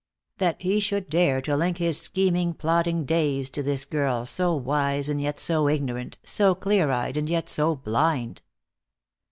That he should dare to link his scheming, plotting days to this girl, so wise and yet so ignorant, so clear eyed and yet so blind.